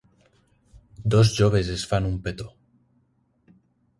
Dos joves es fan un petó.